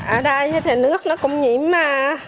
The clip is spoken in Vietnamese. ở đây như thế nước nó cũng nhiễm mà